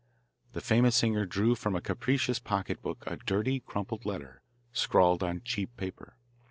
The famous singer drew from a capacious pocketbook a dirty, crumpled, letter, scrawled on cheap paper.